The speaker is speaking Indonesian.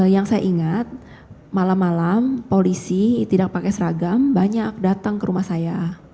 yang saya ingat malam malam polisi tidak pakai seragam banyak datang ke rumah saya